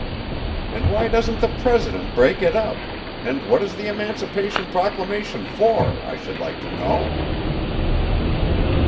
And why doesn't the president break it up, and what is the Emancipation Proclamation for, I should like to know?"